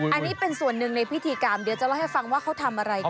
อันนี้เป็นส่วนหนึ่งในพิธีกรรมเดี๋ยวจะเล่าให้ฟังว่าเขาทำอะไรกัน